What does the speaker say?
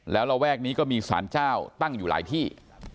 แล้วระแวกนี้ก็มีสารเจ้าตั้งอยู่หลายที่